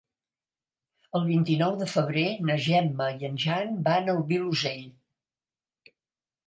El vint-i-nou de febrer na Gemma i en Jan van al Vilosell.